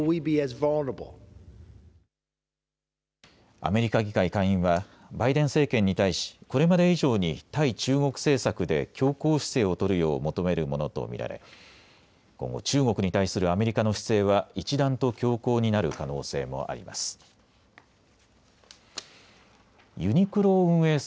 アメリカ議会下院はバイデン政権に対しこれまで以上に対中国政策で強硬姿勢を取るよう求めるものと見られ今後、中国に対するアメリカの姿勢は一段と強硬になる可能性もあります。